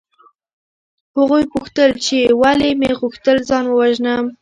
هغوی پوښتل چې ولې مې غوښتل ځان ووژنم